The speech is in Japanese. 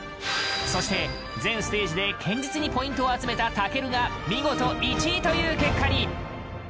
そして全ステージで堅実にポイントを集めた健が見事１位という結果に！